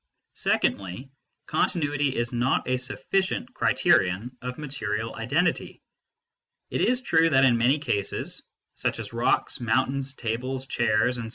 Secondly, continuity is not a sufficient criterion of material identity. It is true that in many cases, such as rocks, mountains, tables, chairs, etc.